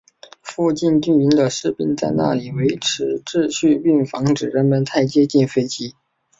附近军营的士兵在那里维持秩序并防止人们太接近飞机。